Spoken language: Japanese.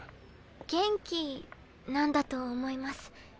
元気なんだと思います。